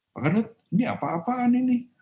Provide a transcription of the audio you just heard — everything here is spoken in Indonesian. pak garut ini apa apaan ini